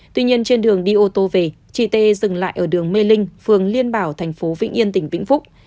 tuy nhiên trên đường đi ô tô về chị tê dừng lại ở đường mê linh phường liên bảo thành phố vĩnh yên tỉnh vĩnh phúc